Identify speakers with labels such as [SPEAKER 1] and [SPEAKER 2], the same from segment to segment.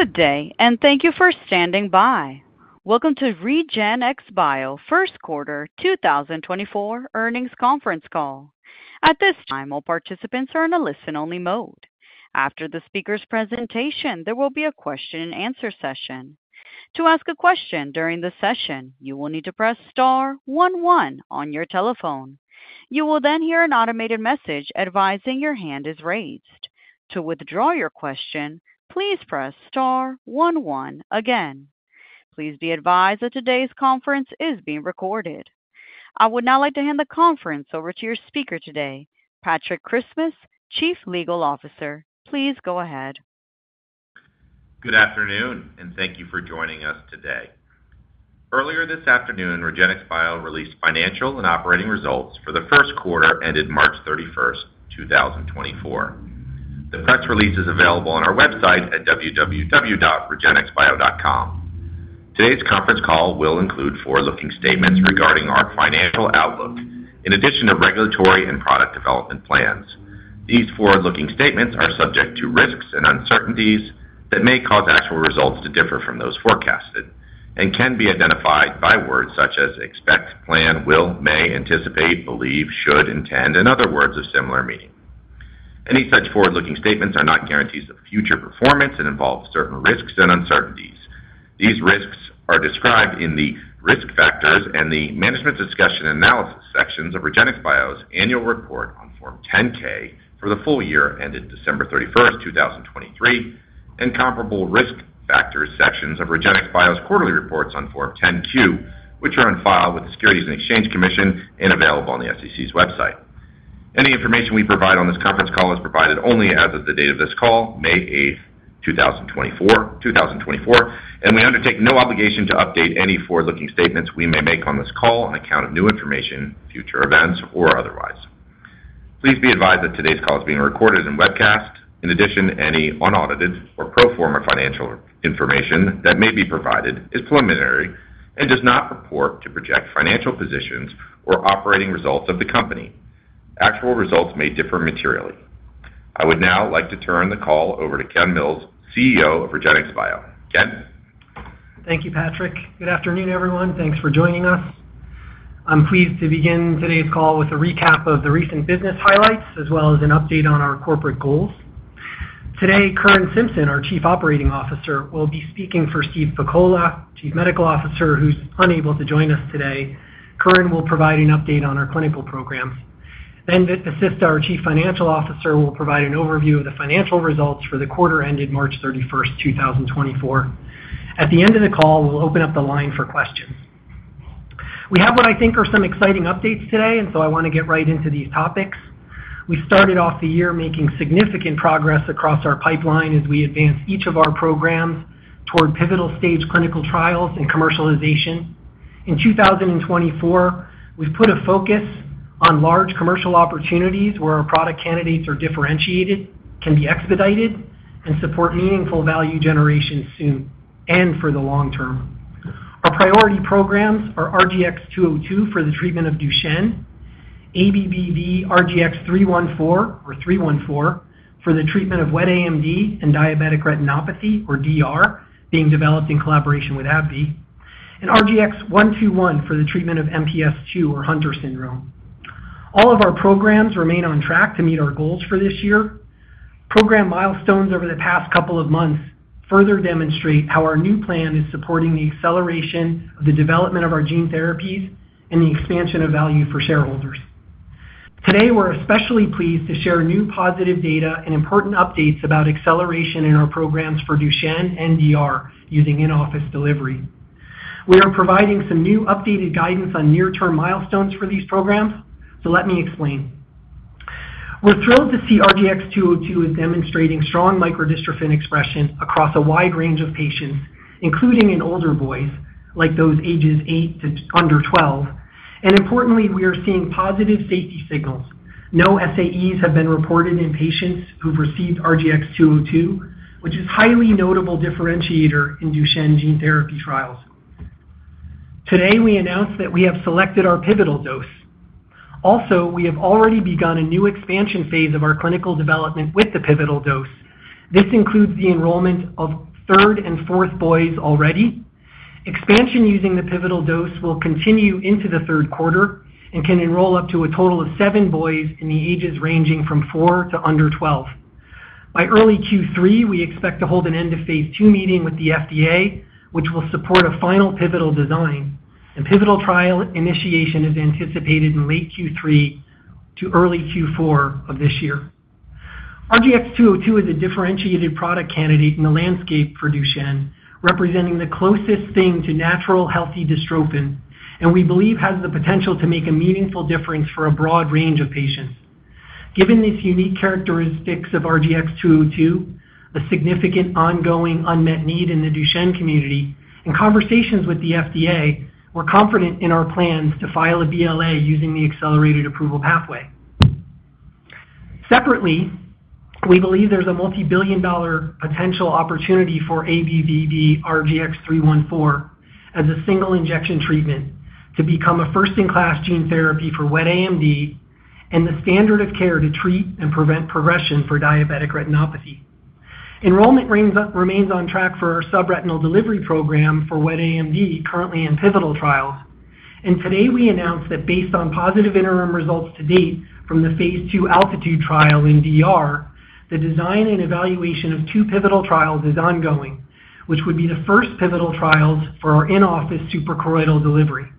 [SPEAKER 1] Good day, and thank you for standing by. Welcome to REGENXBIO first quarter 2024 earnings conference call. At this time, all participants are in a listen-only mode. After the speaker's presentation, there will be a question-and-answer session. To ask a question during the session, you will need to press star one one on your telephone. You will then hear an automated message advising your hand is raised. To withdraw your question, please press star one one again. Please be advised that today's conference is being recorded. I would now like to hand the conference over to your speaker today, Patrick Christmas, Chief Legal Officer. Please go ahead.
[SPEAKER 2] Good afternoon, and thank you for joining us today. Earlier this afternoon, REGENXBIO released financial and operating results for the first quarter ended March 31, 2024. The press release is available on our website at www.regenxbio.com. Today's conference call will include forward-looking statements regarding our financial outlook in addition to regulatory and product development plans. These forward-looking statements are subject to risks and uncertainties that may cause actual results to differ from those forecasted and can be identified by words such as expect, plan, will, may, anticipate, believe, should, intend, and other words of similar meaning. Any such forward-looking statements are not guarantees of future performance and involve certain risks and uncertainties. These risks are described in the risk factors and the Management's Discussion and Analysis sections of REGENXBIO's annual report on Form 10-K for the full year ended December 31, 2023, and comparable risk factors sections of REGENXBIO's quarterly reports on Form 10-Q, which are on file with the Securities and Exchange Commission and available on the SEC's website. Any information we provide on this conference call is provided only as of the date of this call, May 8, 2024, and we undertake no obligation to update any forward-looking statements we may make on this call on account of new information, future events, or otherwise. Please be advised that today's call is being recorded and webcast. In addition, any unaudited or pro forma financial information that may be provided is preliminary and does not purport to project financial positions or operating results of the company. Actual results may differ materially. I would now like to turn the call over to Ken Mills, CEO of REGENXBIO. Ken.
[SPEAKER 3] Thank you, Patrick. Good afternoon, everyone. Thanks for joining us. I'm pleased to begin today's call with a recap of the recent business highlights as well as an update on our corporate goals. Today, Curran Simpson, our Chief Operating Officer, will be speaking for Steve Pakola, Chief Medical Officer, who's unable to join us today. Curran will provide an update on our clinical programs. Then Vit Vasista, our Chief Financial Officer, will provide an overview of the financial results for the quarter ended March 31, 2024. At the end of the call, we'll open up the line for questions. We have what I think are some exciting updates today, and so I want to get right into these topics. We started off the year making significant progress across our pipeline as we advanced each of our programs toward pivotal stage clinical trials and commercialization. In 2024, we've put a focus on large commercial opportunities where our product candidates are differentiated, can be expedited, and support meaningful value generation soon and for the long term. Our priority programs are RGX-202 for the treatment of Duchenne, ABBV-RGX-314 for the treatment of wet AMD and diabetic retinopathy or DR being developed in collaboration with AbbVie, and RGX-121 for the treatment of MPS II or Hunter syndrome. All of our programs remain on track to meet our goals for this year. Program milestones over the past couple of months further demonstrate how our new plan is supporting the acceleration of the development of our gene therapies and the expansion of value for shareholders. Today, we're especially pleased to share new positive data and important updates about acceleration in our programs for Duchenne and DR using in-office delivery. We are providing some new updated guidance on near-term milestones for these programs, so let me explain. We're thrilled to see RGX-202 is demonstrating strong microdystrophin expression across a wide range of patients, including in older boys like those ages eight to under 12, and importantly, we are seeing positive safety signals. No SAEs have been reported in patients who've received RGX-202, which is a highly notable differentiator in Duchenne gene therapy trials. Today, we announced that we have selected our pivotal dose. Also, we have already begun a new expansion phase of our clinical development with the pivotal dose. This includes the enrollment of third and fourth boys already. Expansion using the pivotal dose will continue into the third quarter and can enroll up to a total of seven boys in the ages ranging from four to under 12. By early Q3, we expect to hold an End of Phase II meeting with the FDA, which will support a final pivotal design, and pivotal trial initiation is anticipated in late Q3 to early Q4 of this year. RGX-202 is a differentiated product candidate in the landscape for Duchenne, representing the closest thing to natural healthy dystrophin, and we believe has the potential to make a meaningful difference for a broad range of patients. Given these unique characteristics of RGX-202, a significant ongoing unmet need in the Duchenne community, and conversations with the FDA, we're confident in our plans to file a BLA using the accelerated approval pathway. Separately, we believe there's a multibillion-dollar potential opportunity for ABBV-RGX-314 as a single injection treatment to become a first-in-class gene therapy for wet AMD and the standard of care to treat and prevent progression for diabetic retinopathy. Enrollment remains on track for our subretinal delivery program for Wet AMD currently in pivotal trials, and today we announced that based on positive interim results to date from the Phase II Altitude trial in DR, the design and evaluation of two pivotal trials is ongoing, which would be the first pivotal trials for our in-office suprachoroidal delivery.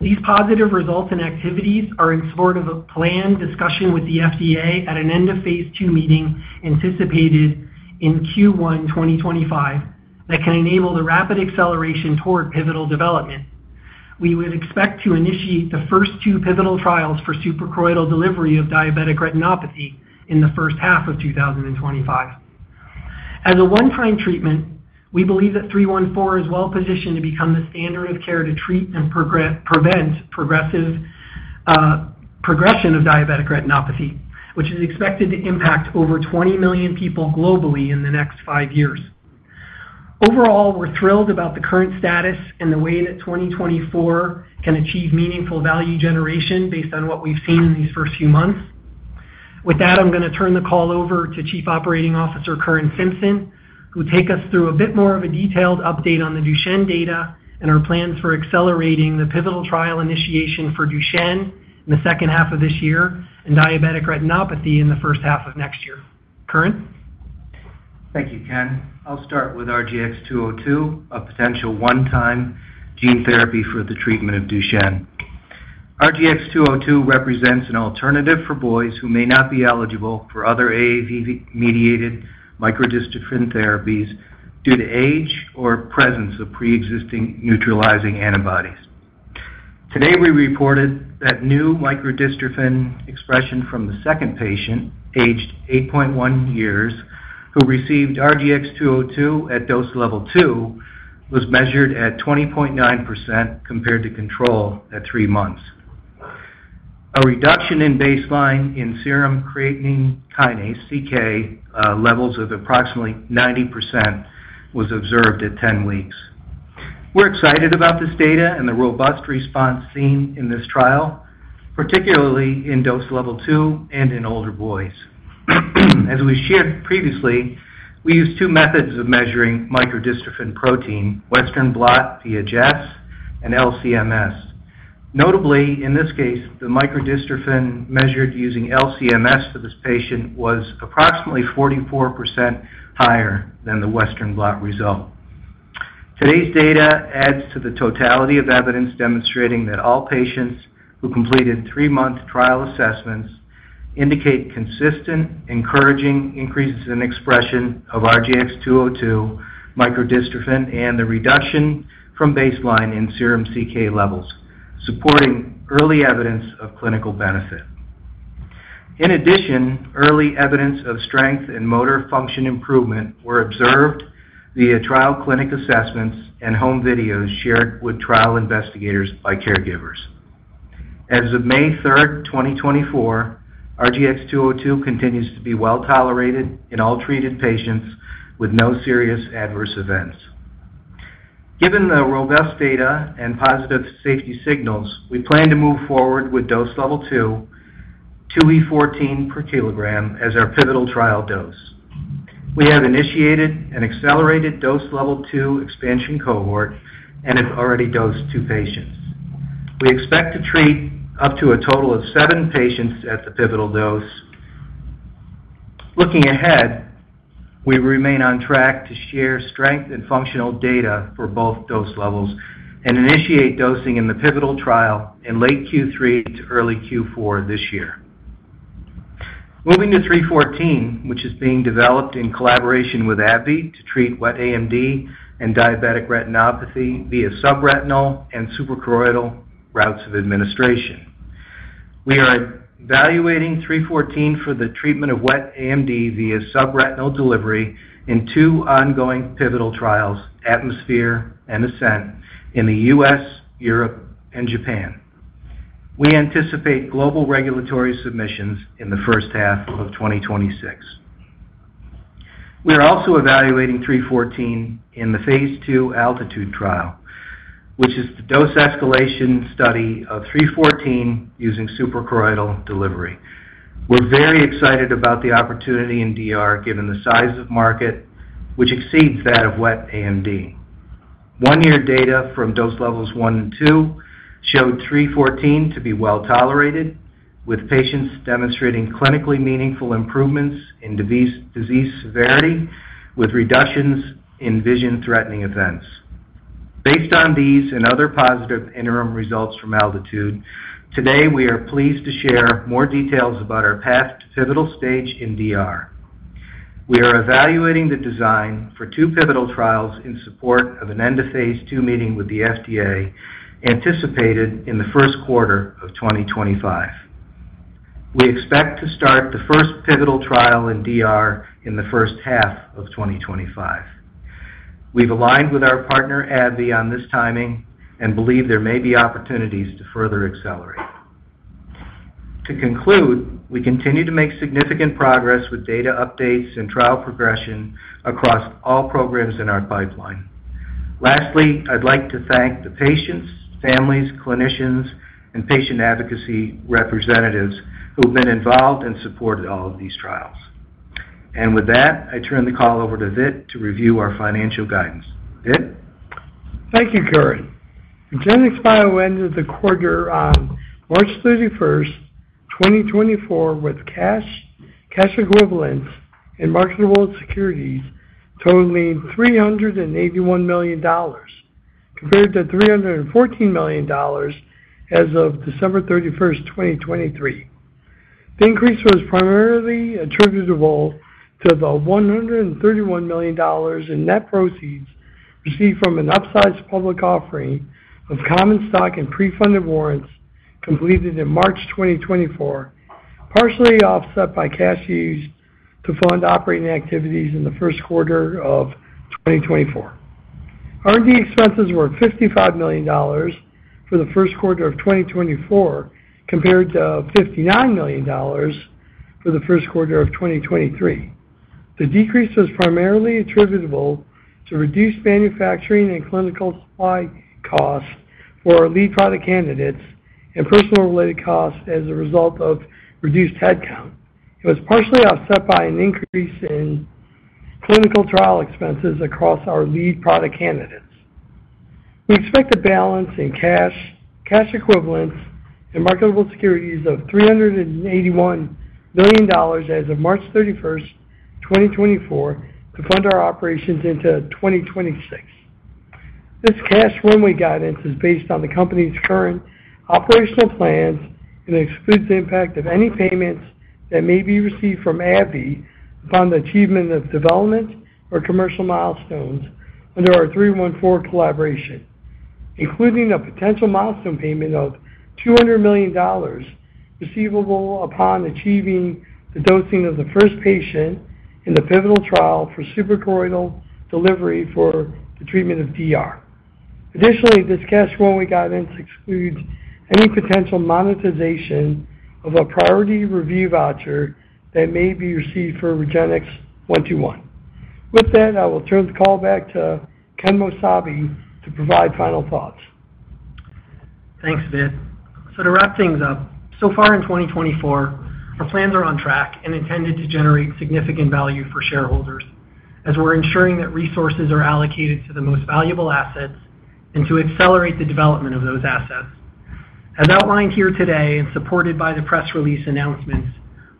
[SPEAKER 3] These positive results and activities are in support of a planned discussion with the FDA at an End of Phase II meeting anticipated in Q1 2025 that can enable the rapid acceleration toward pivotal development. We would expect to initiate the first two pivotal trials for suprachoroidal delivery of diabetic retinopathy in the first half of 2025. As a one-time treatment, we believe that 314 is well positioned to become the standard of care to treat and prevent progressive progression of diabetic retinopathy, which is expected to impact over 20 million people globally in the next five years. Overall, we're thrilled about the current status and the way that 2024 can achieve meaningful value generation based on what we've seen in these first few months. With that, I'm going to turn the call over to Chief Operating Officer Curran Simpson, who will take us through a bit more of a detailed update on the Duchenne data and our plans for accelerating the pivotal trial initiation for Duchenne in the second half of this year and diabetic retinopathy in the first half of next year. Curran?
[SPEAKER 4] Thank you, Ken. I'll start with RGX-202, a potential one-time gene therapy for the treatment of Duchenne. RGX-202 represents an alternative for boys who may not be eligible for other AAV-mediated microdystrophin therapies due to age or presence of pre-existing neutralizing antibodies. Today, we reported that new microdystrophin expression from the second patient, aged 8.1 years, who received RGX-202 at dose level two was measured at 20.9% compared to control at three months. A reduction in baseline in serum creatine kinase (CK) levels of approximately 90% was observed at 10 weeks. We're excited about this data and the robust response seen in this trial, particularly in dose level two and in older boys. As we shared previously, we used two methods of measuring microdystrophin protein: Western Blot via Jess and LCMS. Notably, in this case, the microdystrophin measured using LCMS for this patient was approximately 44% higher than the Western Blot result. Today's data adds to the totality of evidence demonstrating that all patients who completed three month trial assessments indicate consistent, encouraging increases in expression of RGX-202 microdystrophin and the reduction from baseline in serum CK levels, supporting early evidence of clinical benefit. In addition, early evidence of strength and motor function improvement were observed via trial clinic assessments and home videos shared with trial investigators by caregivers. As of May 3, 2024, RGX-202 continues to be well tolerated in all treated patients with no serious adverse events. Given the robust data and positive safety signals, we plan to move forward with dose level 2, 2E14 per kilogram, as our pivotal trial dose. We have initiated an accelerated dose level two expansion cohort and have already dosed two patients. We expect to treat up to a total of seven patients at the pivotal dose. Looking ahead, we remain on track to share strength and functional data for both dose levels and initiate dosing in the pivotal trial in late Q3 to early Q4 this year. Moving to 314, which is being developed in collaboration with AbbVie to treat wet AMD and diabetic retinopathy via subretinal and suprachoroidal routes of administration. We are evaluating 314 for the treatment of wet AMD via subretinal delivery in two ongoing pivotal trials, Atmosphere and Ascent, in the U.S., Europe, and Japan. We anticipate global regulatory submissions in the first half of 2026. We are also evaluating 314 in the Phase II Altitude trial, which is the dose escalation study of 314 using suprachoroidal delivery. We're very excited about the opportunity in DR given the size of market, which exceeds that of wet AMD. One year data from dose levels one and two showed 314 to be well tolerated, with patients demonstrating clinically meaningful improvements in disease severity with reductions in vision-threatening events. Based on these and other positive interim results from Altitude, today we are pleased to share more details about our path to pivotal stage in DR. We are evaluating the design for two pivotal trials in support of an End of Phase II meeting with the FDA anticipated in the first quarter of 2025. We expect to start the first pivotal trial in DR in the first half of 2025. We've aligned with our partner AbbVie on this timing and believe there may be opportunities to further accelerate. To conclude, we continue to make significant progress with data updates and trial progression across all programs in our pipeline. Lastly, I'd like to thank the patients, families, clinicians, and patient advocacy representatives who have been involved and supported all of these trials. With that, I turn the call over to Vit to review our financial guidance. Vit?
[SPEAKER 5] Thank you, Curran. REGENXBIO ended the quarter on March 31, 2024, with cash, cash equivalents, and marketable securities totaling $381 million compared to $314 million as of December 31, 2023. The increase was primarily attributable to the $131 million in net proceeds received from an upsized public offering of common stock and pre-funded warrants completed in March 2024, partially offset by cash used to fund operating activities in the first quarter of 2024. R&D expenses were $55 million for the first quarter of 2024 compared to $59 million for the first quarter of 2023. The decrease was primarily attributable to reduced manufacturing and clinical supply costs for our lead product candidates and personnel-related costs as a result of reduced headcount. It was partially offset by an increase in clinical trial expenses across our lead product candidates. We expect a balance in cash, cash equivalents, and marketable securities of $381 million as of March 31, 2024, to fund our operations into 2026. This cash runway guidance is based on the company's current operational plans and excludes the impact of any payments that may be received from AbbVie upon the achievement of development or commercial milestones under our 314 collaboration, including a potential milestone payment of $200 million receivable upon achieving the dosing of the first patient in the pivotal trial for suprachoroidal delivery for the treatment of DR. Additionally, this cash runway guidance excludes any potential monetization of a priority review voucher that may be received for RGX-121. With that, I will turn the call back to Ken Mills to provide final thoughts.
[SPEAKER 3] Thanks, Vit. So to wrap things up, so far in 2024, our plans are on track and intended to generate significant value for shareholders as we're ensuring that resources are allocated to the most valuable assets and to accelerate the development of those assets. As outlined here today and supported by the press release announcements,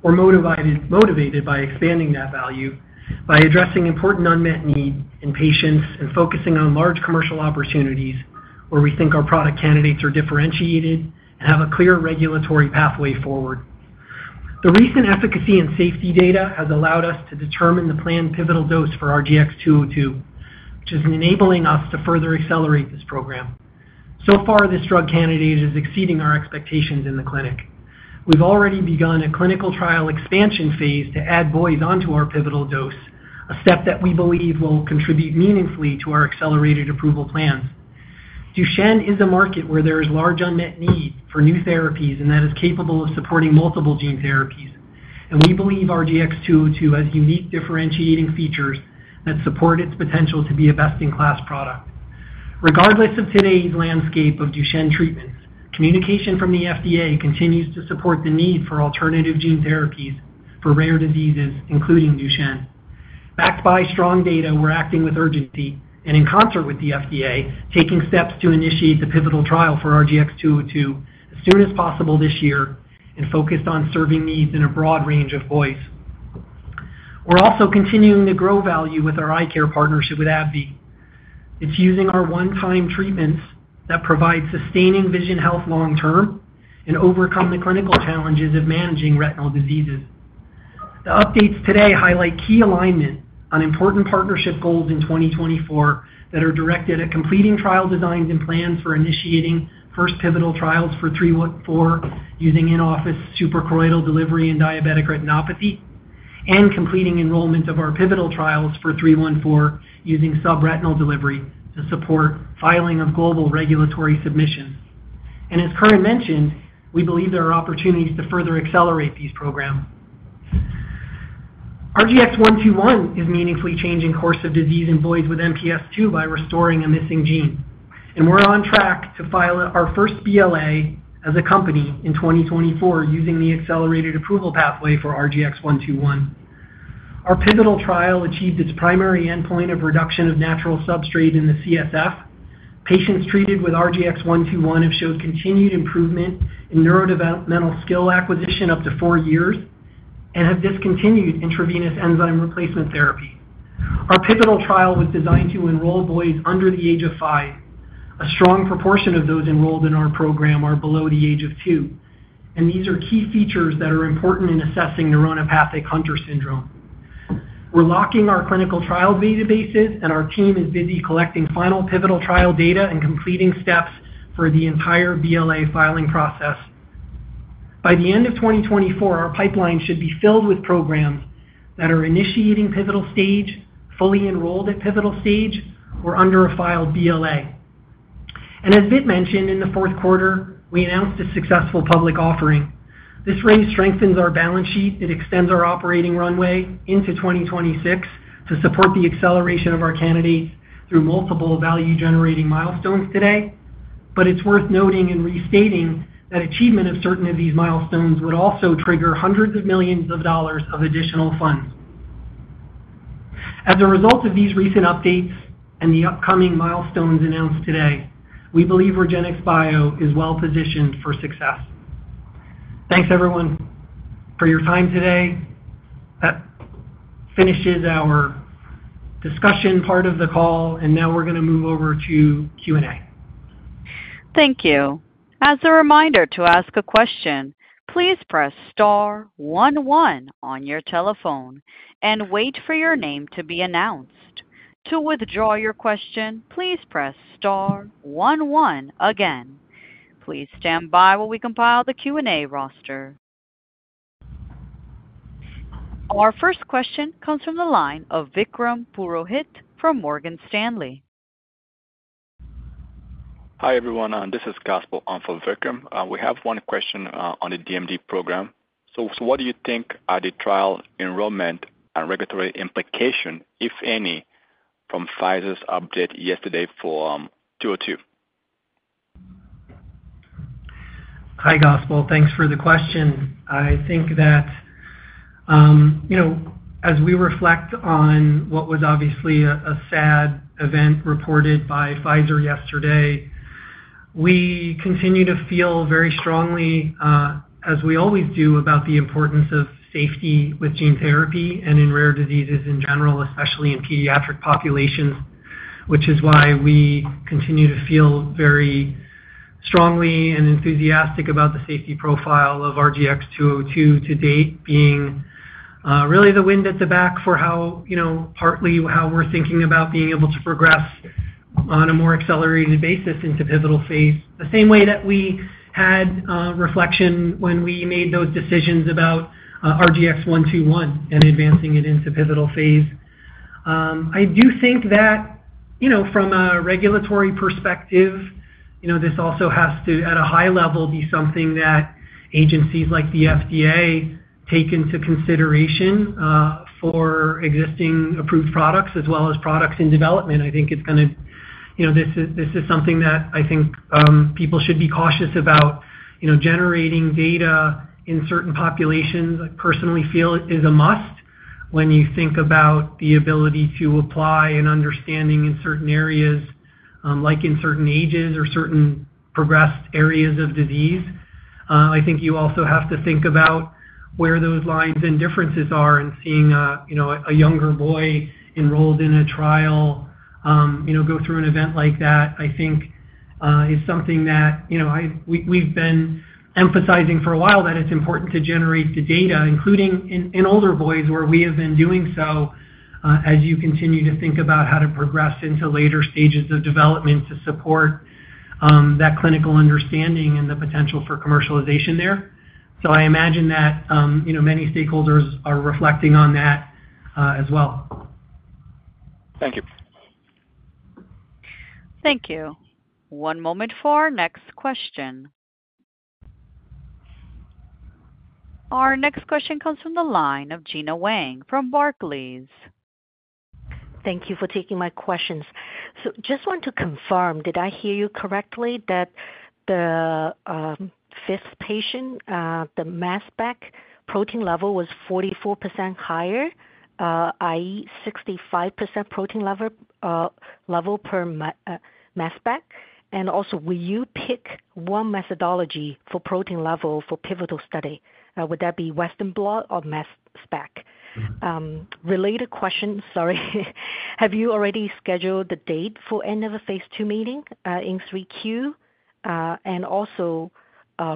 [SPEAKER 3] we're motivated by expanding that value by addressing important unmet needs in patients and focusing on large commercial opportunities where we think our product candidates are differentiated and have a clear regulatory pathway forward. The recent efficacy and safety data has allowed us to determine the planned pivotal dose for RGX-202, which is enabling us to further accelerate this program. So far, this drug candidate is exceeding our expectations in the clinic. We've already begun a clinical trial expansion phase to add boys onto our pivotal dose, a step that we believe will contribute meaningfully to our accelerated approval plans. Duchenne is a market where there is large unmet need for new therapies and that is capable of supporting multiple gene therapies, and we believe RGX-202 has unique differentiating features that support its potential to be a best-in-class product. Regardless of today's landscape of Duchenne treatments, communication from the FDA continues to support the need for alternative gene therapies for rare diseases, including Duchenne. Backed by strong data, we're acting with urgency and in concert with the FDA, taking steps to initiate the pivotal trial for RGX-202 as soon as possible this year and focused on serving needs in a broad range of boys. We're also continuing to grow value with our eye care partnership with AbbVie. It's using our one-time treatments that provide sustaining vision health long-term and overcome the clinical challenges of managing retinal diseases. The updates today highlight key alignment on important partnership goals in 2024 that are directed at completing trial designs and plans for initiating first pivotal trials for 314 using in-office suprachoroidal delivery and diabetic retinopathy and completing enrollment of our pivotal trials for 314 using subretinal delivery to support filing of global regulatory submissions. As Curran mentioned, we believe there are opportunities to further accelerate these programs. RGX-121 is meaningfully changing course of disease in boys with MPS II by restoring a missing gene, and we're on track to file our first BLA as a company in 2024 using the accelerated approval pathway for RGX-121. Our pivotal trial achieved its primary endpoint of reduction of natural substrate in the CSF. Patients treated with RGX-121 have showed continued improvement in neurodevelopmental skill acquisition up to four years and have discontinued intravenous enzyme replacement therapy. Our pivotal trial was designed to enroll boys under the age of five. A strong proportion of those enrolled in our program are below the age of two, and these are key features that are important in assessing neuronopathic Hunter syndrome. We're locking our clinical trial databases, and our team is busy collecting final pivotal trial data and completing steps for the entire BLA filing process. By the end of 2024, our pipeline should be filled with programs that are initiating pivotal stage, fully enrolled at pivotal stage, or under a filed BLA. And as Vit mentioned, in the fourth quarter, we announced a successful public offering. This raise strengthens our balance sheet. It extends our operating runway into 2026 to support the acceleration of our candidates through multiple value-generating milestones today. But it's worth noting and restating that achievement of certain of these milestones would also trigger hundreds millions of dollars of additional funds. As a result of these recent updates and the upcoming milestones announced today, we believe REGENXBIO is well positioned for success. Thanks, everyone, for your time today. That finishes our discussion part of the call, and now we're going to move over to Q&A.
[SPEAKER 1] Thank you. As a reminder to ask a question, please press star one one on your telephone and wait for your name to be announced. To withdraw your question, please press star one one again. Please stand by while we compile the Q&A roster. Our first question comes from the line of Vikram Purohit from Morgan Stanley.
[SPEAKER 6] Hi, everyone. This is Gaspar for Vikram. We have one question on the DMD program. So what do you think are the trial enrollment and regulatory implications, if any, from Pfizer's update yesterday for RGX-202?
[SPEAKER 3] Hi, Gaspar. Thanks for the question. I think that as we reflect on what was obviously a sad event reported by Pfizer yesterday, we continue to feel very strongly, as we always do, about the importance of safety with gene therapy and in rare diseases in general, especially in pediatric populations, which is why we continue to feel very strongly and enthusiastic about the safety profile of RGX-202 to date being really the wind at the back for partly how we're thinking about being able to progress on a more accelerated basis into pivotal phase, the same way that we had reflection when we made those decisions about RGX-121 and advancing it into pivotal phase. I do think that from a regulatory perspective, this also has to, at a high level, be something that agencies like the FDA take into consideration for existing approved products as well as products in development. I think this is something that I think people should be cautious about. Generating data in certain populations, I personally feel, is a must when you think about the ability to apply an understanding in certain areas, like in certain ages or certain progressed areas of disease. I think you also have to think about where those lines and differences are and seeing a younger boy enrolled in a trial go through an event like that, I think, is something that we've been emphasizing for a while that it's important to generate the data, including in older boys where we have been doing so as you continue to think about how to progress into later stages of development to support that clinical understanding and the potential for commercialization there. So I imagine that many stakeholders are reflecting on that as well.
[SPEAKER 6] Thank you.
[SPEAKER 1] Thank you. One moment for our next question. Our next question comes from the line of Gena Wang from Barclays.
[SPEAKER 7] Thank you for taking my questions. So just want to confirm, did I hear you correctly that the 5th patient, the mass spec protein level was 44% higher, i.e., 65% protein level per mass spec? And also, will you pick one methodology for protein level for pivotal study? Would that be Western Blot or mass spec? Related question, sorry. Have you already scheduled the date for end of the Phase II meeting in 3Q? And also,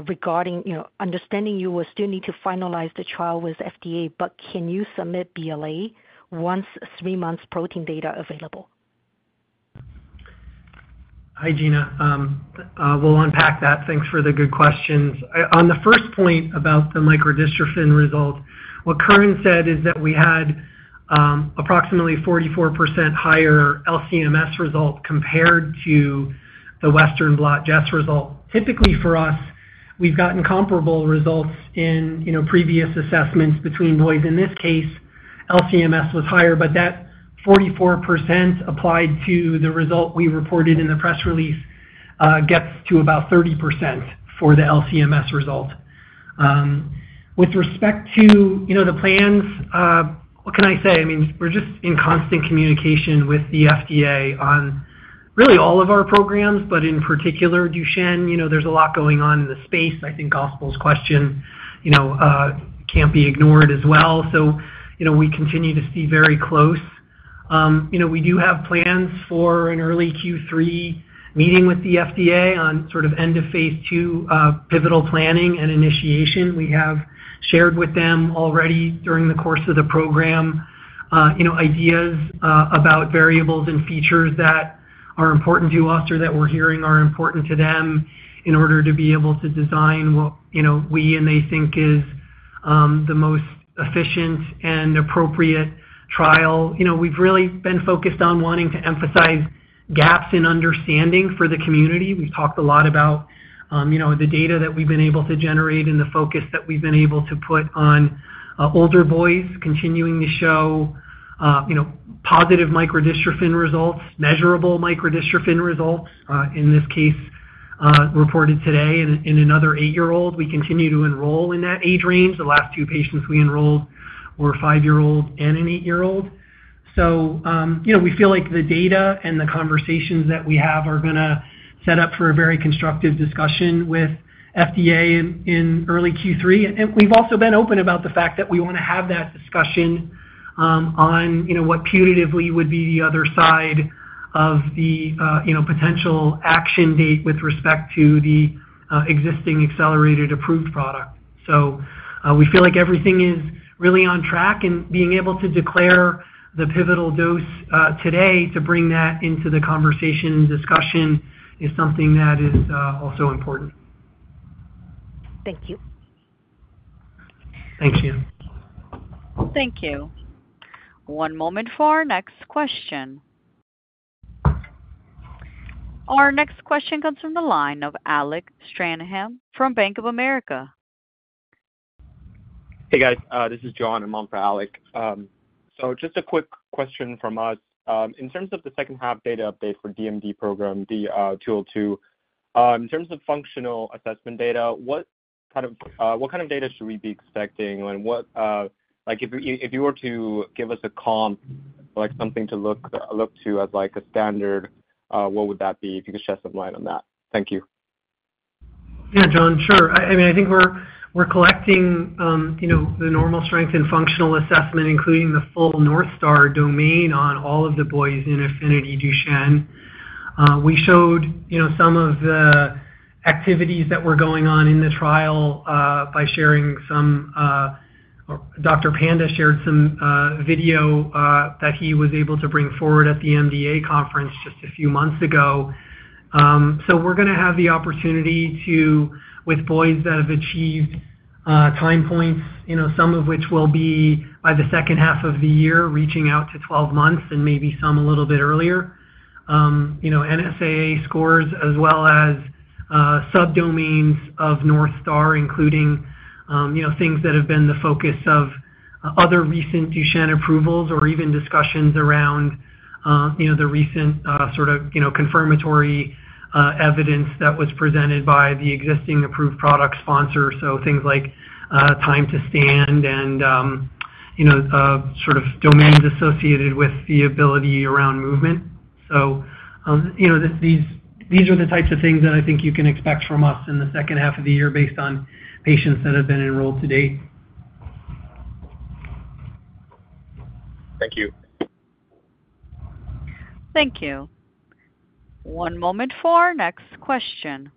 [SPEAKER 7] regarding understanding you will still need to finalize the trial with FDA, but can you submit BLA once 3-month protein data available?
[SPEAKER 3] Hi, Gena. We'll unpack that. Thanks for the good questions. On the first point about the microdystrophin result, what Curran said is that we had approximately 44% higher LCMS result compared to the Western blot Jess result. Typically, for us, we've gotten comparable results in previous assessments between boys. In this case, LCMS was higher, but that 44% applied to the result we reported in the press release gets to about 30% for the LCMS result. With respect to the plans, what can I say? I mean, we're just in constant communication with the FDA on really all of our programs, but in particular, Duchenne, there's a lot going on in the space. I think Gaspar's question can't be ignored as well. So we continue to see very close. We do have plans for an early Q3 meeting with the FDA on sort of end of Phase II pivotal planning and initiation. We have shared with them already during the course of the program ideas about variables and features that are important to us or that we're hearing are important to them in order to be able to design what we and they think is the most efficient and appropriate trial. We've really been focused on wanting to emphasize gaps in understanding for the community. We've talked a lot about the data that we've been able to generate and the focus that we've been able to put on older boys continuing to show positive microdystrophin results, measurable microdystrophin results, in this case, reported today in another eight year-old. We continue to enroll in that age range. The last two patients we enrolled were a five year-old and an eight year-old. We feel like the data and the conversations that we have are going to set up for a very constructive discussion with FDA in early Q3. We've also been open about the fact that we want to have that discussion on what putatively would be the other side of the potential action date with respect to the existing accelerated approved product. We feel like everything is really on track, and being able to declare the pivotal dose today to bring that into the conversation and discussion is something that is also important.
[SPEAKER 7] Thank you.
[SPEAKER 3] Thanks, Gina.
[SPEAKER 1] Thank you. One moment for our next question. Our next question comes from the line of Alec Stranahan from Bank of America.
[SPEAKER 8] Hey, guys. This is John for Alec. So just a quick question from us. In terms of the second-half data update for DMD program, the RGX-202 in terms of functional assessment data, what kind of data should we be expecting? And if you were to give us a comp, something to look to as a standard, what would that be? If you could shed some light on that. Thank you.
[SPEAKER 3] Yeah, John, sure. I mean, I think we're collecting the normal strength and functional assessment, including the full North Star domain on all of the boys in AFFINITY DUCHENNE. We showed some of the activities that were going on in the trial by sharing some. Dr. Panda shared some video that he was able to bring forward at the MDA conference just a few months ago. So we're going to have the opportunity to, with boys that have achieved time points, some of which will be by the second half of the year, reaching out to 12 months and maybe some a little bit earlier, NSAA scores as well as subdomains of North Star, including things that have been the focus of other recent Duchenne approvals or even discussions around the recent sort of confirmatory evidence that was presented by the existing approved product sponsor. So things like time to stand and sort of domains associated with the ability around movement. So these are the types of things that I think you can expect from us in the second half of the year based on patients that have been enrolled to date.
[SPEAKER 8] Thank you.
[SPEAKER 1] Thank you. One moment for our next question.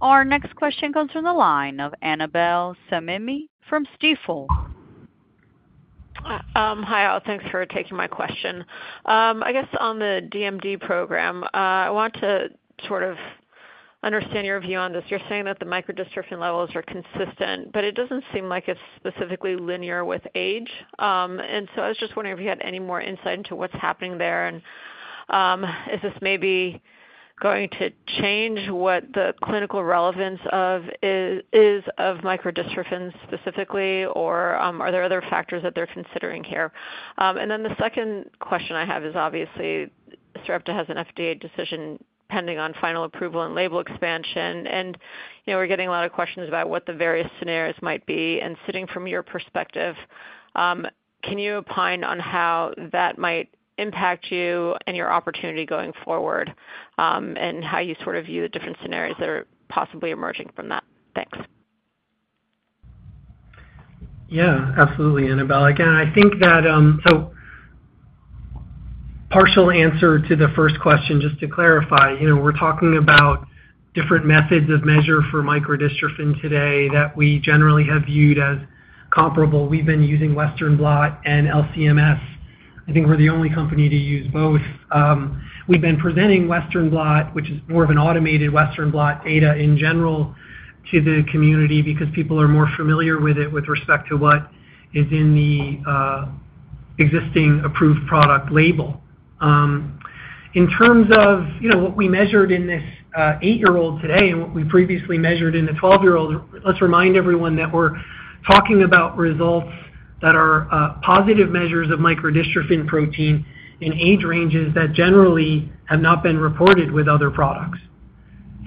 [SPEAKER 1] Our next question comes from the line of Annabel Samimy from Stifel.
[SPEAKER 9] Hi, all. Thanks for taking my question. I guess on the DMD program, I want to sort of understand your view on this. You're saying that the microdystrophin levels are consistent, but it doesn't seem like it's specifically linear with age. And so I was just wondering if you had any more insight into what's happening there and if this may be going to change what the clinical relevance is of microdystrophin specifically, or are there other factors that they're considering here? And then the second question I have is, obviously, Sarepta has an FDA decision pending on final approval and label expansion. And we're getting a lot of questions about what the various scenarios might be. Sitting from your perspective, can you opine on how that might impact you and your opportunity going forward and how you sort of view the different scenarios that are possibly emerging from that? Thanks.
[SPEAKER 3] Yeah, absolutely, Annabel. Again, I think that's a partial answer to the first question, just to clarify, we're talking about different methods of measure for microdystrophin today that we generally have viewed as comparable. We've been using Western blot and LC-MS. I think we're the only company to use both. We've been presenting Western blot, which is more of an automated Western blot data in general to the community because people are more familiar with it with respect to what is in the existing approved product label. In terms of what we measured in this eight-year-old today and what we previously measured in the 12-year-old, let's remind everyone that we're talking about results that are positive measures of microdystrophin protein in age ranges that generally have not been reported with other products.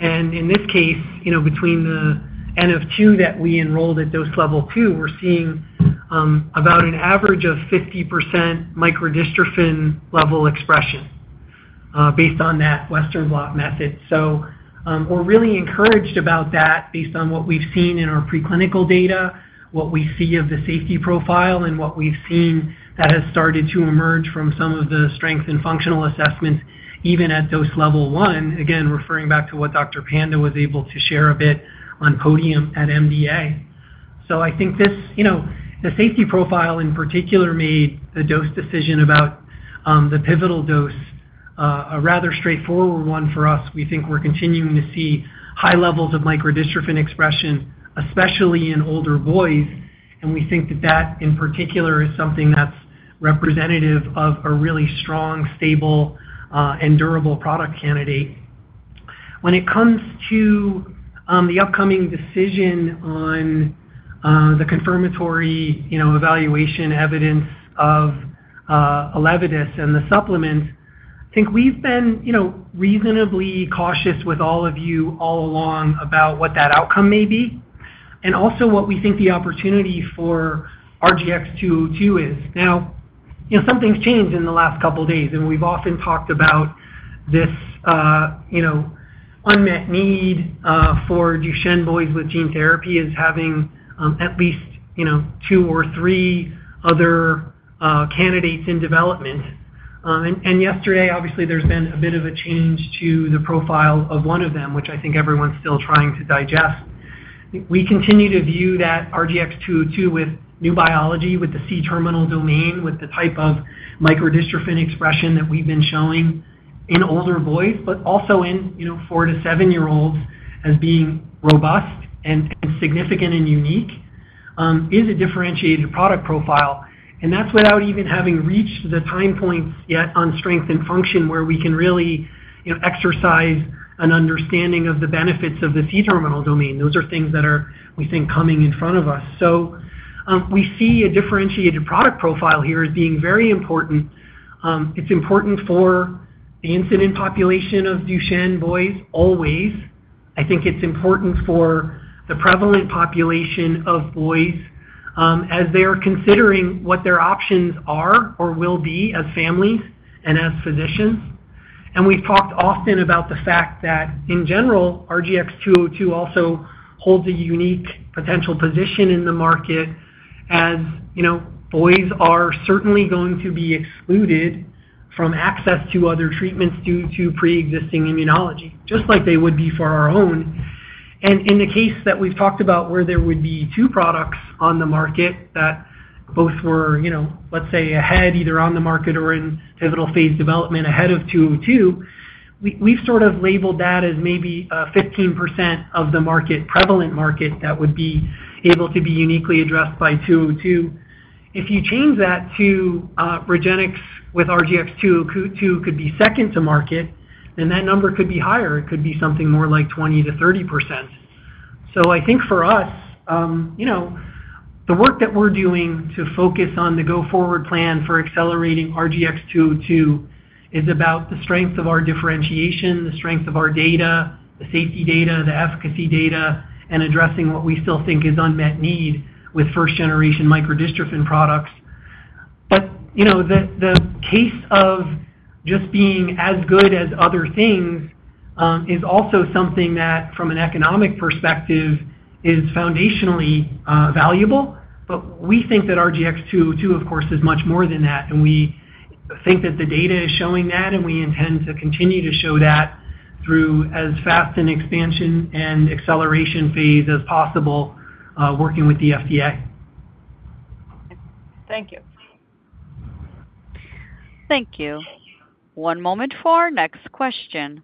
[SPEAKER 3] And in this case, between the NF2 that we enrolled at dose level two, we're seeing about an average of 50% microdystrophin level expression based on that Western blot method. So we're really encouraged about that based on what we've seen in our preclinical data, what we see of the safety profile, and what we've seen that has started to emerge from some of the strength and functional assessments even at dose level one, again, referring back to what Dr. Panda was able to share a bit on podium at MDA. So I think this, the safety profile, in particular, made the dose decision about the pivotal dose a rather straightforward one for us. We think we're continuing to see high levels of microdystrophin expression, especially in older boys. And we think that that, in particular, is something that's representative of a really strong, stable, and durable product candidate. When it comes to the upcoming decision on the confirmatory evaluation evidence of Elevidys and the supplements, I think we've been reasonably cautious with all of you all along about what that outcome may be and also what we think the opportunity for RGX-202 is. Now, some things changed in the last couple of days, and we've often talked about this unmet need for Duchenne boys with gene therapy is having at least two or three other candidates in development. And yesterday, obviously, there's been a bit of a change to the profile of one of them, which I think everyone's still trying to digest. We continue to view that RGX-202 with new biology, with the C-terminal domain, with the type of microdystrophin expression that we've been showing in older boys, but also in four to seven year-olds as being robust and significant and unique, is a differentiated product profile. And that's without even having reached the time points yet on strength and function where we can really exercise an understanding of the benefits of the C-terminal domain. Those are things that are, we think, coming in front of us. So we see a differentiated product profile here as being very important. It's important for the incident population of Duchenne boys always. I think it's important for the prevalent population of boys as they are considering what their options are or will be as families and as physicians. And we've talked often about the fact that, in general, RGX-202 also holds a unique potential position in the market as boys are certainly going to be excluded from access to other treatments due to preexisting immunology, just like they would be for our own. In the case that we've talked about where there would be two products on the market that both were, let's say, ahead, either on the market or in pivotal phase development ahead of 202, we've sort of labeled that as maybe 15% of the prevalent market that would be able to be uniquely addressed by 202. If you change that to REGENXBIO with RGX-202 could be second to market, then that number could be higher. It could be something more like 20%-30%. So I think for us, the work that we're doing to focus on the go-forward plan for accelerating RGX-202 is about the strength of our differentiation, the strength of our data, the safety data, the efficacy data, and addressing what we still think is unmet need with first-generation microdystrophin products. The case of just being as good as other things is also something that, from an economic perspective, is foundationally valuable. We think that RGX-202, of course, is much more than that. We think that the data is showing that, and we intend to continue to show that through as fast an expansion and acceleration phase as possible working with the FDA.
[SPEAKER 9] Thank you.
[SPEAKER 1] Thank you. One moment for our next question.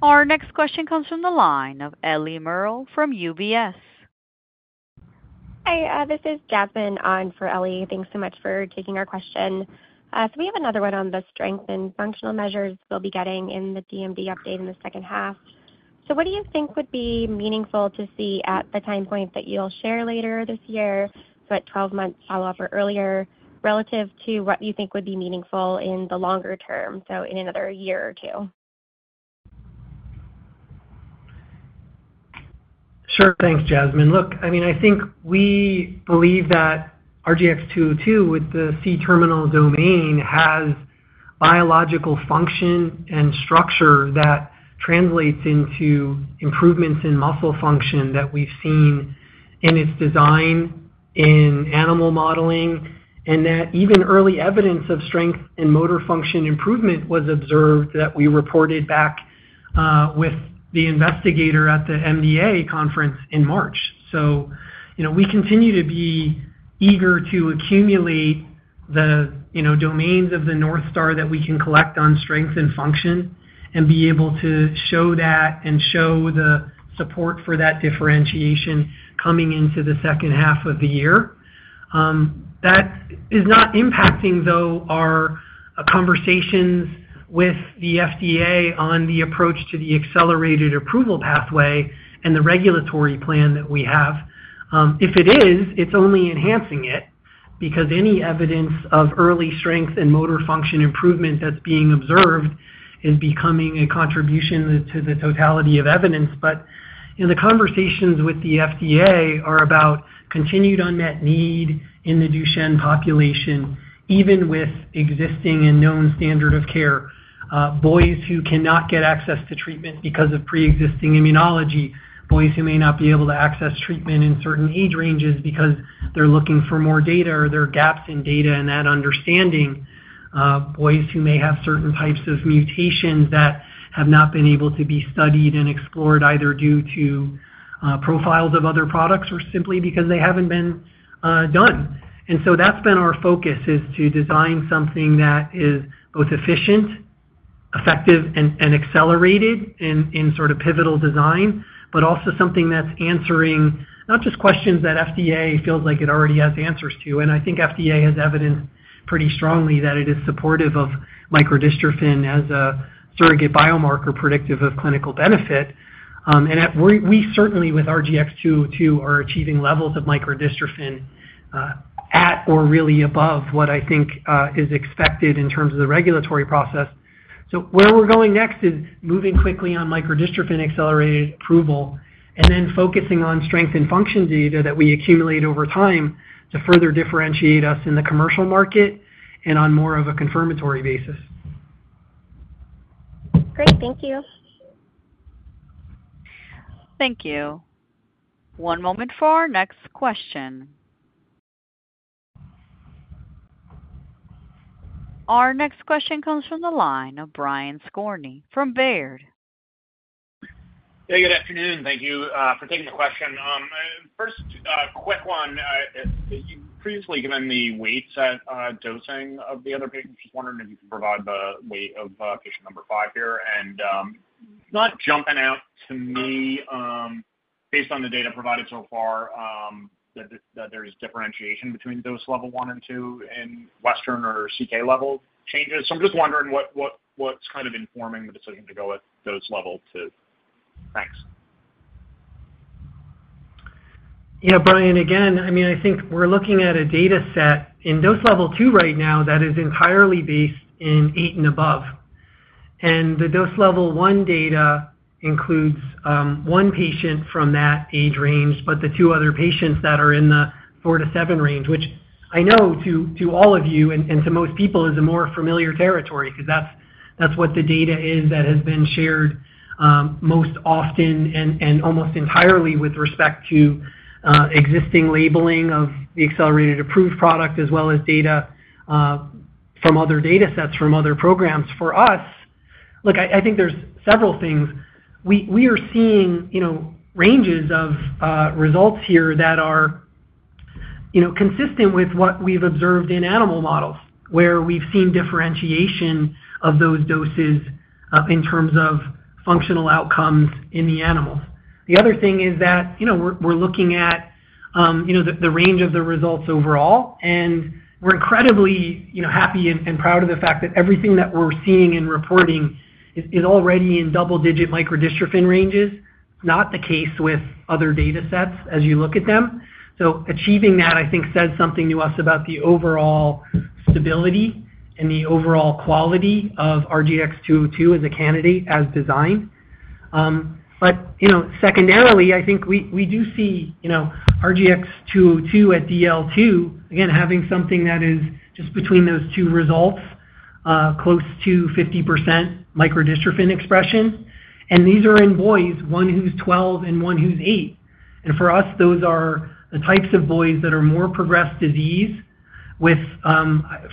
[SPEAKER 1] Our next question comes from the line of Ellie Merle from UBS.
[SPEAKER 10] Hi. This is Jasmine on for Ellie. Thanks so much for taking our question. So we have another one on the strength and functional measures we'll be getting in the DMD update in the second half. So what do you think would be meaningful to see at the time point that you'll share later this year, so at 12-month follow-up or earlier, relative to what you think would be meaningful in the longer term, so in another year or two?
[SPEAKER 3] Sure. Thanks, Jasmine. Look, I mean, I think we believe that RGX-202 with the C-terminal domain has biological function and structure that translates into improvements in muscle function that we've seen in its design in animal modeling and that even early evidence of strength and motor function improvement was observed that we reported back with the investigator at the MDA conference in March. So we continue to be eager to accumulate the domains of the North Star that we can collect on strength and function and be able to show that and show the support for that differentiation coming into the second half of the year. That is not impacting, though, our conversations with the FDA on the approach to the accelerated approval pathway and the regulatory plan that we have. If it is, it's only enhancing it because any evidence of early strength and motor function improvement that's being observed is becoming a contribution to the totality of evidence. But the conversations with the FDA are about continued unmet need in the Duchenne population, even with existing and known standard of care, boys who cannot get access to treatment because of preexisting immunology, boys who may not be able to access treatment in certain age ranges because they're looking for more data or there are gaps in data in that understanding, boys who may have certain types of mutations that have not been able to be studied and explored either due to profiles of other products or simply because they haven't been done. And so that's been our focus, is to design something that is both efficient, effective, and accelerated in sort of pivotal design, but also something that's answering not just questions that FDA feels like it already has answers to. And I think FDA has evidenced pretty strongly that it is supportive of microdystrophin as a surrogate biomarker predictive of clinical benefit. And we certainly, with RGX-202, are achieving levels of microdystrophin at or really above what I think is expected in terms of the regulatory process. So where we're going next is moving quickly on microdystrophin accelerated approval and then focusing on strength and function data that we accumulate over time to further differentiate us in the commercial market and on more of a confirmatory basis.
[SPEAKER 10] Great. Thank you.
[SPEAKER 1] Thank you. One moment for our next question. Our next question comes from the line of Brian Skorney from Baird.
[SPEAKER 11] Hey, good afternoon. Thank you for taking the question. First, quick one. You've previously given me weights at dosing of the other patients. Just wondering if you can provide the weight of patient number five here. Not jumping out to me based on the data provided so far that there is differentiation between dose level one and two in Western or CK level changes. I'm just wondering what's kind of informing the decision to go at dose level two. Thanks.
[SPEAKER 3] Yeah, Brian. Again, I mean, I think we're looking at a dataset in dose level two right now that is entirely based in eight and above. The dose level one data includes one patient from that age range, but the two other patients that are in the four to seven range, which I know to all of you and to most people is a more familiar territory because that's what the data is that has been shared most often and almost entirely with respect to existing labeling of the accelerated approved product as well as data from other datasets from other programs. For us, look, I think there's several things. We are seeing ranges of results here that are consistent with what we've observed in animal models, where we've seen differentiation of those doses in terms of functional outcomes in the animals. The other thing is that we're looking at the range of the results overall, and we're incredibly happy and proud of the fact that everything that we're seeing in reporting is already in double-digit microdystrophin ranges. It's not the case with other datasets as you look at them. So achieving that, I think, says something to us about the overall stability and the overall quality of RGX-202 as a candidate as designed. But secondarily, I think we do see RGX-202 at DL2, again, having something that is just between those two results, close to 50% microdystrophin expression. And these are in boys, one who's 12 and one who's eight. And for us, those are the types of boys that are more progressed disease,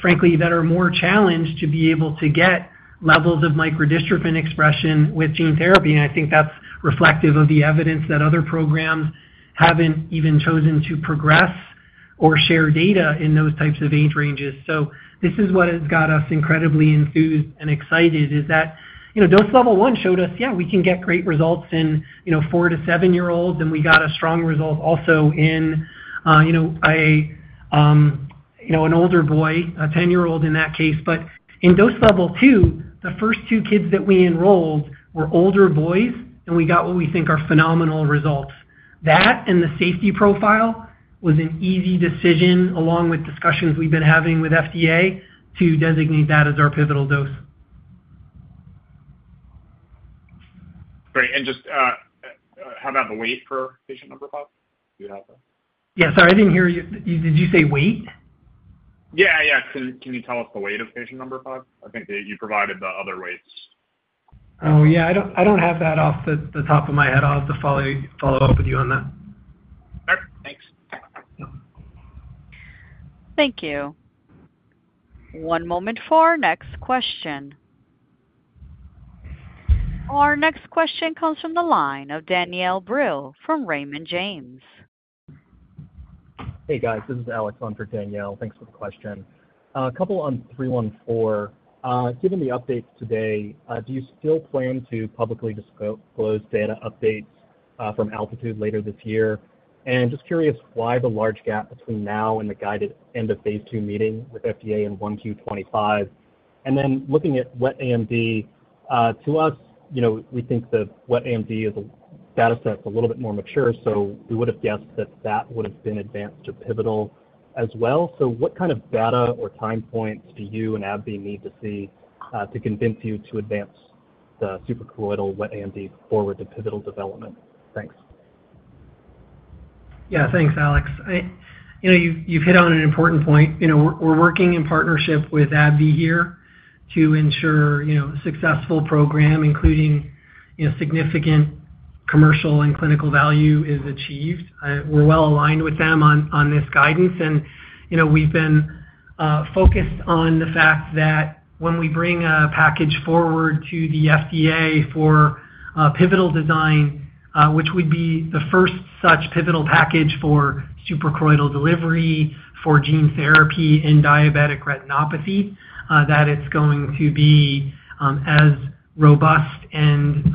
[SPEAKER 3] frankly, that are more challenged to be able to get levels of microdystrophin expression with gene therapy. And I think that's reflective of the evidence that other programs haven't even chosen to progress or share data in those types of age ranges. So this is what has got us incredibly enthused and excited, is that dose level 1 showed us, "Yeah, we can get great results in four to seven year-olds, and we got a strong result also in an older boy, a 10-year-old in that case." But in dose level two, the first two kids that we enrolled were older boys, and we got what we think are phenomenal results. That and the safety profile was an easy decision along with discussions we've been having with FDA to designate that as our pivotal dose.
[SPEAKER 11] Great. And just how about the weight for patient number five? Do you have that?
[SPEAKER 3] Yeah. Sorry. I didn't hear you. Did you say weight?
[SPEAKER 11] Yeah. Yeah. Can you tell us the weight of patient number five? I think that you provided the other weights.
[SPEAKER 3] Oh, yeah. I don't have that off the top of my head. I'll have to follow up with you on that.
[SPEAKER 11] Okay. Thanks.
[SPEAKER 1] Thank you. One moment for our next question. Our next question comes from the line of Danielle Brill from Raymond James.
[SPEAKER 12] Hey, guys. This is Alex on for Danielle. Thanks for the question. A couple on 314. Given the updates today, do you still plan to publicly disclose data updates from Altitude later this year? And just curious why the large gap between now and the guided End of Phase II meeting with FDA and 1Q 2025. And then looking at wet AMD, to us, we think the wet AMD dataset's a little bit more mature, so we would have guessed that that would have been advanced to pivotal as well. So what kind of data or time points do you and AbbVie need to see to convince you to advance the suprachoroidal wet AMD forward to pivotal development? Thanks.
[SPEAKER 3] Yeah. Thanks, Alex. You've hit on an important point. We're working in partnership with AbbVie here to ensure a successful program, including significant commercial and clinical value is achieved. We're well aligned with them on this guidance. And we've been focused on the fact that when we bring a package forward to the FDA for pivotal design, which would be the first such pivotal package for suprachoroidal delivery, for gene therapy, and diabetic retinopathy, that it's going to be as robust and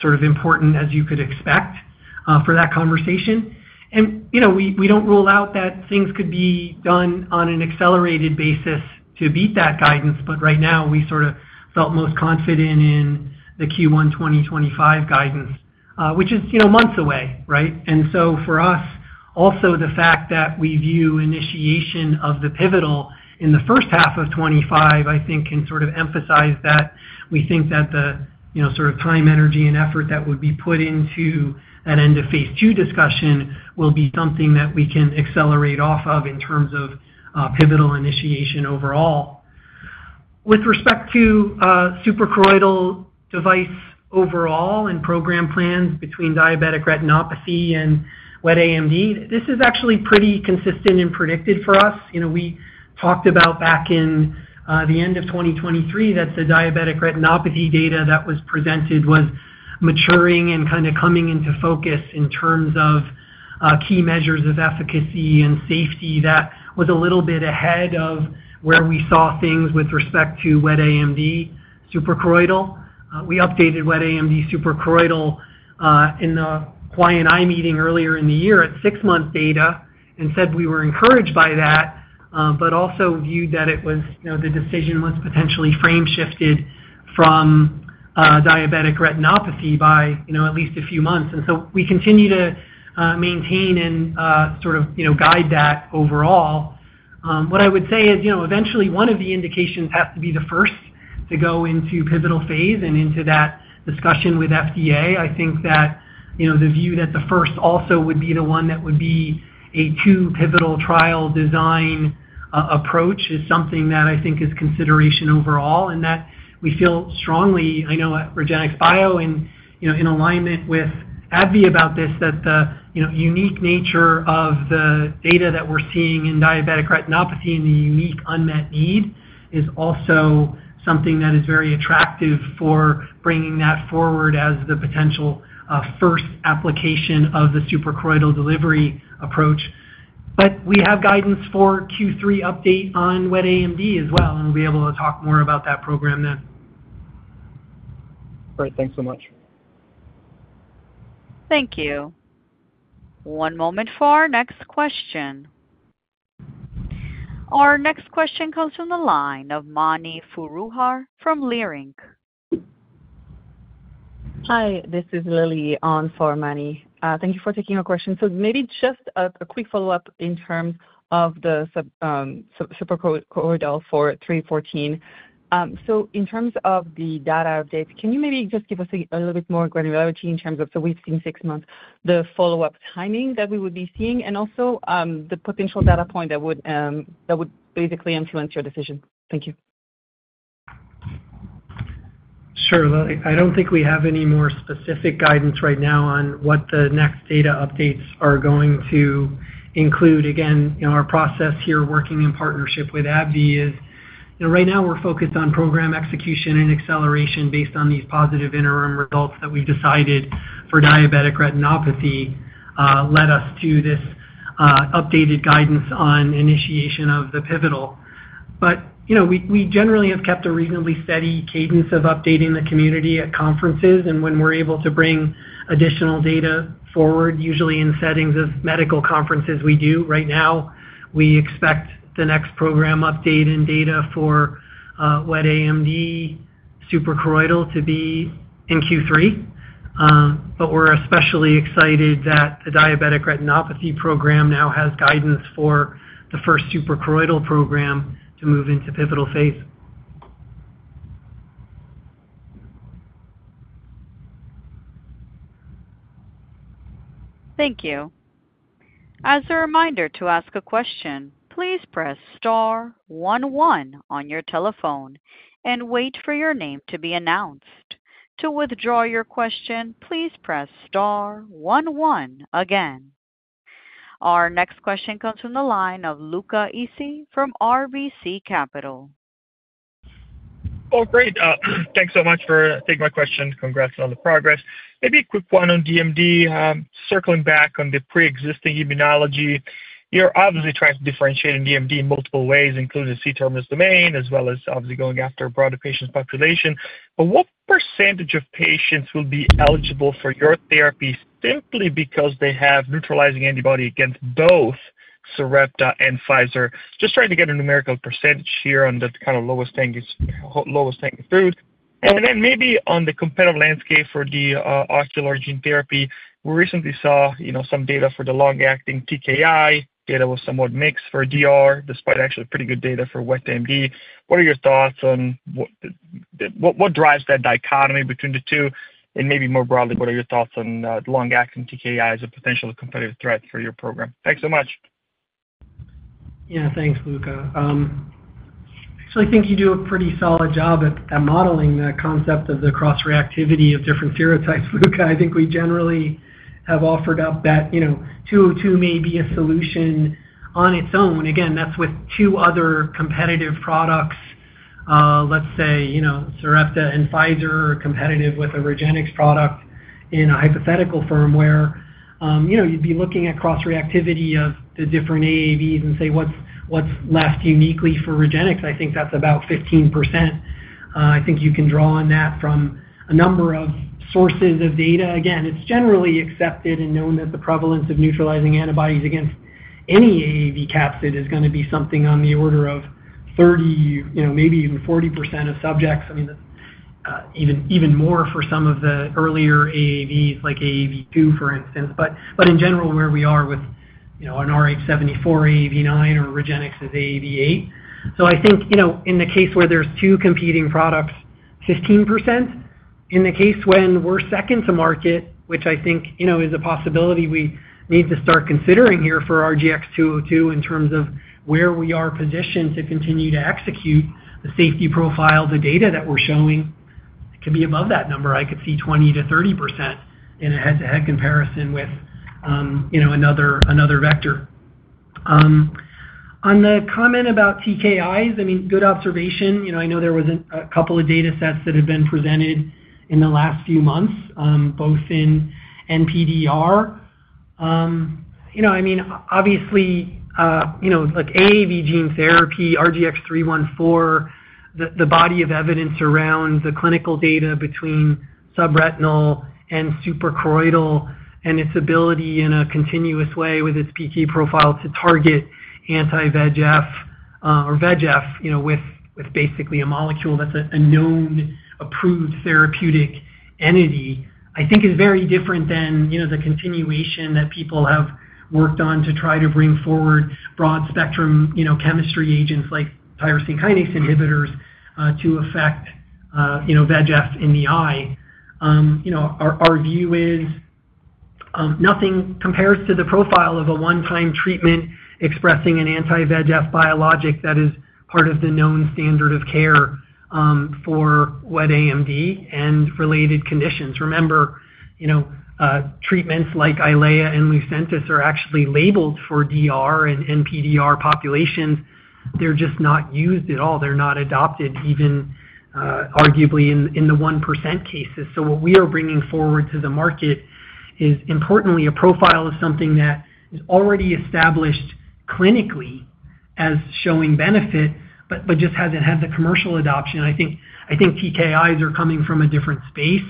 [SPEAKER 3] sort of important as you could expect for that conversation. And we don't rule out that things could be done on an accelerated basis to beat that guidance. But right now, we sort of felt most confident in the Q1 2025 guidance, which is months away, right? And so for us, also, the fact that we view initiation of the pivotal in the first half of 2025, I think, can sort of emphasize that we think that the sort of time, energy, and effort that would be put into that End of Phase II discussion will be something that we can accelerate off of in terms of pivotal initiation overall. With respect to suprachoroidal device overall and program plans between diabetic retinopathy and wet AMD, this is actually pretty consistent and predicted for us. We talked about back in the end of 2023 that the diabetic retinopathy data that was presented was maturing and kind of coming into focus in terms of key measures of efficacy and safety. That was a little bit ahead of where we saw things with respect to wet AMD suprachoroidal. We updated wet AMD suprachoroidal in the End of Phase meeting earlier in the year at 6-month data and said we were encouraged by that, but also viewed that the decision was potentially frame-shifted from diabetic retinopathy by at least a few months. So we continue to maintain and sort of guide that overall. What I would say is eventually, one of the indications has to be the first to go into pivotal phase and into that discussion with FDA. I think that the view that the first also would be the one that would be a two-pivotal trial design approach is something that I think is consideration overall and that we feel strongly I know at REGENXBIO and in alignment with AbbVie about this, that the unique nature of the data that we're seeing in diabetic retinopathy and the unique unmet need is also something that is very attractive for bringing that forward as the potential first application of the suprachoroidal delivery approach. But we have guidance for Q3 update on wet AMD as well, and we'll be able to talk more about that program then.
[SPEAKER 12] Great. Thanks so much.
[SPEAKER 1] Thank you. One moment for our next question. Our next question comes from the line of Mani Foroohar from Leerink.
[SPEAKER 13] Hi. This is Lily on for Mani. Thank you for taking our question. So maybe just a quick follow-up in terms of the suprachoroidal for 314. So in terms of the data updates, can you maybe just give us a little bit more granularity in terms of so we've seen six months, the follow-up timing that we would be seeing, and also the potential data point that would basically influence your decision? Thank you.
[SPEAKER 3] Sure, Lily. I don't think we have any more specific guidance right now on what the next data updates are going to include. Again, our process here working in partnership with AbbVie is right now, we're focused on program execution and acceleration based on these positive interim results that we've decided for diabetic retinopathy led us to this updated guidance on initiation of the pivotal. But we generally have kept a reasonably steady cadence of updating the community at conferences. And when we're able to bring additional data forward, usually in settings of medical conferences, we do. Right now, we expect the next program update and data for wet AMD suprachoroidal to be in Q3. But we're especially excited that the diabetic retinopathy program now has guidance for the first suprachoroidal program to move into pivotal phase.
[SPEAKER 1] Thank you. As a reminder to ask a question, please press star one one on your telephone and wait for your name to be announced. To withdraw your question, please press star one one again. Our next question comes from the line of Luca Issi from RBC Capital.
[SPEAKER 14] Oh, great. Thanks so much for taking my question. Congrats on the progress. Maybe a quick one on DMD. Circling back on the pre-existing immunology, you're obviously trying to differentiate in DMD in multiple ways, including C-terminal domain as well as obviously going after a broader patient population. But what percentage of patients will be eligible for your therapy simply because they have neutralizing antibody against both Sarepta and Pfizer? Just trying to get a numerical percentage here on the kind of lowest-hanging fruit. And then maybe on the competitive landscape for the ocular gene therapy, we recently saw some data for the long-acting TKI. Data was somewhat mixed for DR despite actually pretty good data for wet AMD. What are your thoughts on what drives that dichotomy between the two? And maybe more broadly, what are your thoughts on long-acting TKI as a potential competitive threat for your program? Thanks so much.
[SPEAKER 3] Yeah. Thanks, Luca. Actually, I think you do a pretty solid job at modeling the concept of the cross-reactivity of different serotypes, Luca. I think we generally have offered up that 202 may be a solution on its own. Again, that's with two other competitive products. Let's say Sarepta and Pfizer are competitive with a REGENXBIO product in a hypothetical firm where you'd be looking at cross-reactivity of the different AAVs and say, "What's left uniquely for REGENXBIO?" I think that's about 15%. I think you can draw on that from a number of sources of data. Again, it's generally accepted and known that the prevalence of neutralizing antibodies against any AAV capsid is going to be something on the order of 30%, maybe even 40% of subjects. I mean, even more for some of the earlier AAVs like AAV2, for instance. But in general, where we are with an rh74, AAV9, or REGENXBIO is AAV8. So I think in the case where there's two competing products, 15%. In the case when we're second to market, which I think is a possibility we need to start considering here for RGX-202 in terms of where we are positioned to continue to execute the safety profile, the data that we're showing, it could be above that number. I could see 20%-30% in a head-to-head comparison with another vector. On the comment about TKIs, I mean, good observation. I know there was a couple of datasets that had been presented in the last few months, both in NPDR. I mean, obviously, AAV gene therapy, RGX-314, the body of evidence around the clinical data between subretinal and suprachoroidal and its ability in a continuous way with its PK profile to target anti-VEGF or VEGF with basically a molecule that's a known, approved therapeutic entity, I think is very different than the continuation that people have worked on to try to bring forward broad-spectrum chemistry agents like tyrosine kinase inhibitors to affect VEGF in the eye. Our view is nothing compares to the profile of a one-time treatment expressing an anti-VEGF biologic that is part of the known standard of care for wet AMD and related conditions. Remember, treatments like Eylea and Lucentis are actually labeled for DR and NPDR populations. They're just not used at all. They're not adopted, even arguably in the 1% cases. So what we are bringing forward to the market is, importantly, a profile of something that is already established clinically as showing benefit but just hasn't had the commercial adoption. I think TKIs are coming from a different space.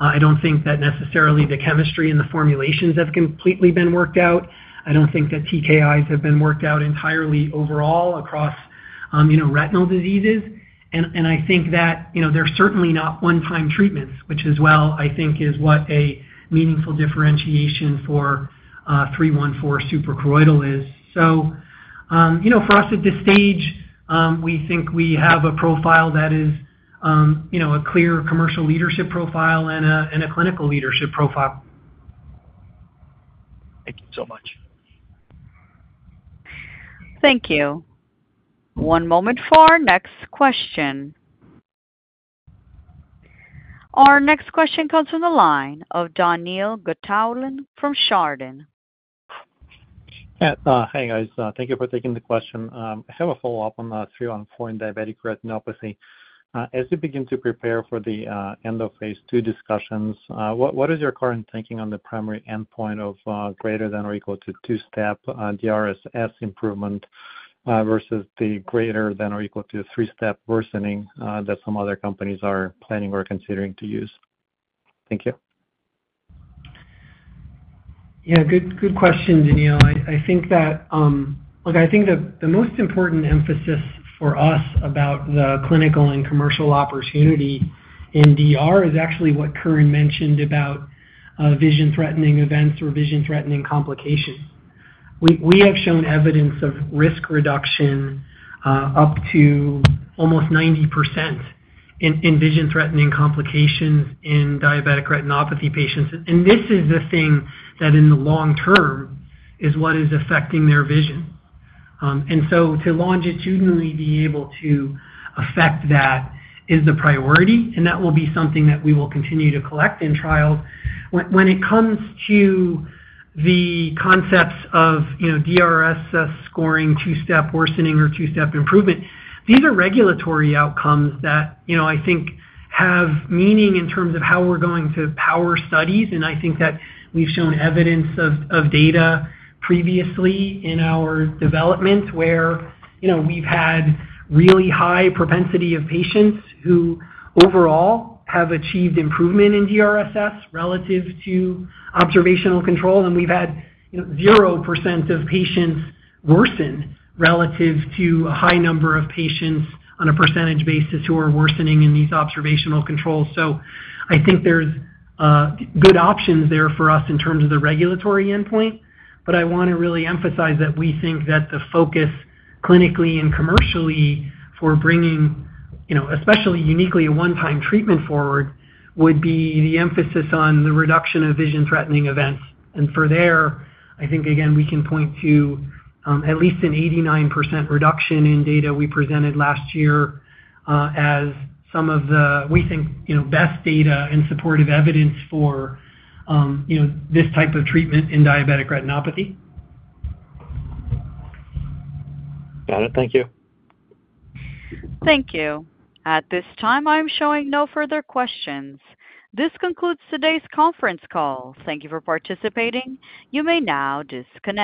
[SPEAKER 3] I don't think that necessarily the chemistry and the formulations have completely been worked out. I don't think that TKIs have been worked out entirely overall across retinal diseases. And I think that they're certainly not one-time treatments, which as well, I think, is what a meaningful differentiation for 314 suprachoroidal is. So for us at this stage, we think we have a profile that is a clear commercial leadership profile and a clinical leadership profile.
[SPEAKER 14] Thank you so much.
[SPEAKER 1] Thank you. One moment for our next question. Our next question comes from the line of Daniil Gataulin from Chardan.
[SPEAKER 15] Hi, guys. Thank you for taking the question. I have a follow-up on the 314 diabetic retinopathy. As you begin to prepare for the End of Phase II discussions, what is your current thinking on the primary endpoint of greater than or equal to two-step DRSS improvement versus the greater than or equal to three-step worsening that some other companies are planning or considering to use? Thank you.
[SPEAKER 3] Yeah. Good question, Daniil. I think that look, I think the most important emphasis for us about the clinical and commercial opportunity in DR is actually what Curran mentioned about vision-threatening events or vision-threatening complications. We have shown evidence of risk reduction up to almost 90% in vision-threatening complications in diabetic retinopathy patients. And this is the thing that, in the long term, is what is affecting their vision. And so to longitudinally be able to affect that is the priority. And that will be something that we will continue to collect in trials. When it comes to the concepts of DRSS scoring, two-step worsening, or two-step improvement, these are regulatory outcomes that I think have meaning in terms of how we're going to power studies. I think that we've shown evidence of data previously in our development where we've had really high propensity of patients who overall have achieved improvement in DRSS relative to observational control. We've had 0% of patients worsen relative to a high number of patients on a percentage basis who are worsening in these observational controls. I think there's good options there for us in terms of the regulatory endpoint. But I want to really emphasize that we think that the focus clinically and commercially for bringing especially uniquely a one-time treatment forward would be the emphasis on the reduction of vision-threatening events. For there, I think, again, we can point to at least an 89% reduction in data we presented last year as some of the, we think, best data and supportive evidence for this type of treatment in diabetic retinopathy.
[SPEAKER 15] Got it. Thank you.
[SPEAKER 1] Thank you. At this time, I'm showing no further questions. This concludes today's conference call. Thank you for participating. You may now disconnect.